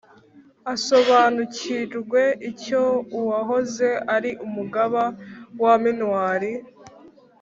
asobanukirwe icyo uwahoze ari umugaba wa minuar